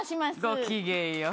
ごきげんよう。